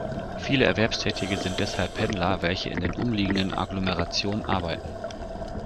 Viele Erwerbstätige sind deshalb Pendler, welche in den umliegenden Agglomerationen arbeiten.